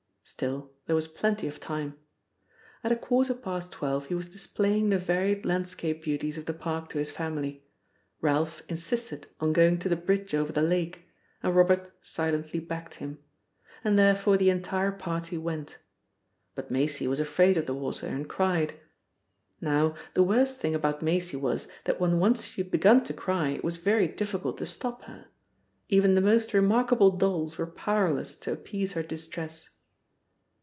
Still, there was plenty of time. At a quarter past twelve he was displaying the varied landscape beauties of the park to his family. Ralph insisted on going to the bridge over the lake, and Robert silently backed him. And therefore the entire party went. But Maisie was afraid of the water, and cried. Now, the worst thing about Maisie was that when once she had begun to cry it was very difficult to stop her. Even the most remarkable dolls were powerless to appease her distress.